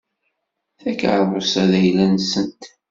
Takeṛṛust-a d ayla-nsent.